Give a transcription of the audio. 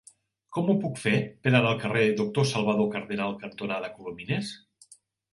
Com ho puc fer per anar al carrer Doctor Salvador Cardenal cantonada Colomines?